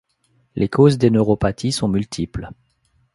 Les causes des neuropathies sont multiples.